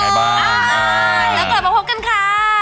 แล้วกลับมาพบกันค่ะ